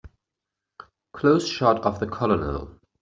Close shot of the COLONEL.